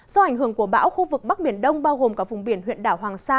do ảnh hưởng của bão khu vực bắc biển đông bao gồm cả vùng biển huyện đảo hoàng sa